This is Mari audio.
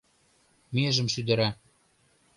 Межым шӱдыра.